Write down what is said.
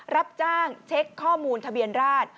รับจ้างเช็คข้อมูลทะเบียนราช